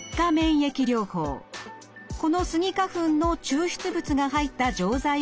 このスギ花粉の抽出物が入った錠剤を使います。